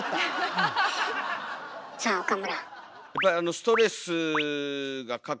さあ岡村。